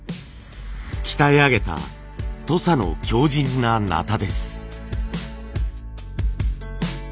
鍛え上げた土佐の強じんな鉈です。